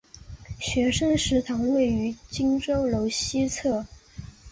学生食堂位于荆州楼西侧。